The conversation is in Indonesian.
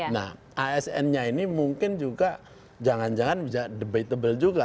nah asn nya ini mungkin juga jangan jangan debatable juga